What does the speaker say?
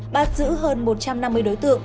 bạt giữ hơn một trăm năm mươi đối tượng